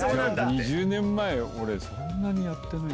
２０年前そんなにやってない。